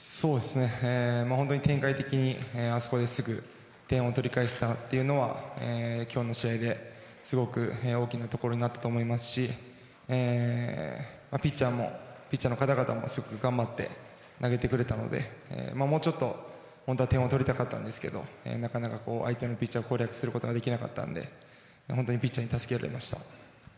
展開的にあそこですぐ点を取り返せたのは今日の試合ですごく大きなところになったと思いますしピッチャーの方々もすごく頑張って投げてくれたのでもうちょっと本当は点を取りたかったんですけどなかなか相手のピッチャーを攻略することができなかったので本当にピッチャーに助けられました。